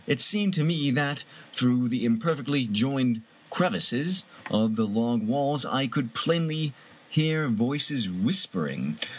It seemed to me that, through the im perfectly joined crevices of the log walls I could plainly hear voices whispering.